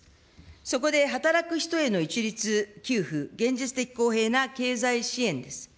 そこで働く人への一律給付、現実的公平な経済支援です。